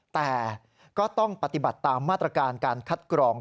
แต่ก็ต้องปฏิบัติตามมาตรการการคัดกรอง